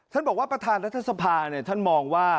ท่านบอกว่ารัฐสภามองว่า